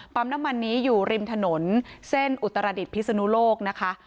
น้ำมันนี้อยู่ริมถนนเส้นอุตรดิษฐพิศนุโลกนะคะ